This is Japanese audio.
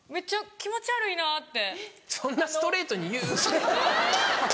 気持ち悪いなって。